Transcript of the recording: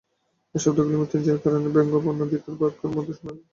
এই শব্দ মৃত্যুঞ্জয়ের কানে ব্যঙ্গপূর্ণ ধিক্কারবাক্যের মতো শুনাইল।